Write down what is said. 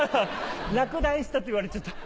落第したと言われちゃった。